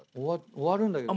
終わるんだけどさ。